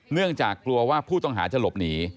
เนื่องจากกลัวว่าผู้ต้องหาจะหลบหนี